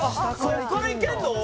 そっからいけんの？